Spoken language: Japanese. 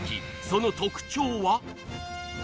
その特徴は？